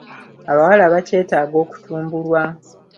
Abawala bakyetaaga okutumbulwa.